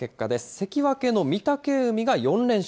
関脇の御嶽海が４連勝。